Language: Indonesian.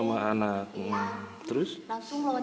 rumah hancur ya